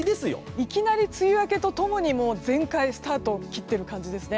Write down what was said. いきなり梅雨明けと共に全開スタートを切っている感じですね。